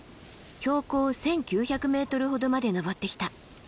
標高１，９００ｍほどまで登ってきた。